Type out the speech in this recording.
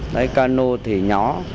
cái cano thì nhỏ